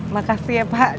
makasih ya pak